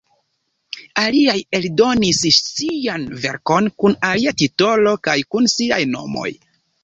Aliaj eldonis ŝian verkon kun alia titolo kaj kun siaj nomoj.